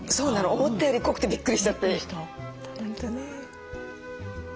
思ったより濃くてびっくりしちゃって。